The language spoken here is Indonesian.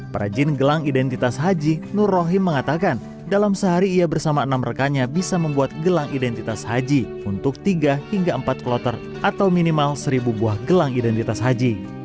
perajin gelang identitas haji nur rohim mengatakan dalam sehari ia bersama enam rekannya bisa membuat gelang identitas haji untuk tiga hingga empat kloter atau minimal seribu buah gelang identitas haji